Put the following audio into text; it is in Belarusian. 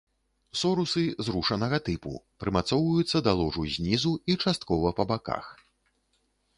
Сорусы зрушанага тыпу, прымацоўваюцца да ложу знізу і часткова па баках.